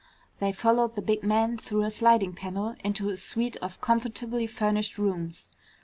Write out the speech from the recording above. They followed the big man through a sliding panel into a suite of comfortably furnished rooms.